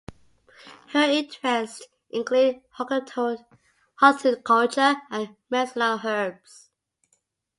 Her interests include horticulture and medicinal herbs.